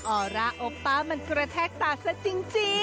ออร่าโอป้ามันกระแทกตาซะจริง